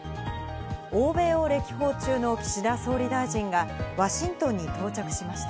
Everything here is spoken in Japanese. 欧米を歴訪中の岸田総理大臣がワシントンに到着しました。